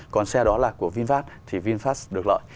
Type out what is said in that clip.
còn xe đó là của vinfast thì vinfast được lợi